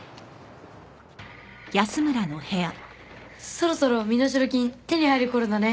そろそろ身代金手に入る頃だね。